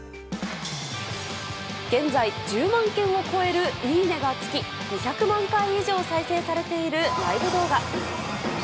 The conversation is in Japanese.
現在１０万件を超えるいいねがつき２００万回以上再生されているライブ動画。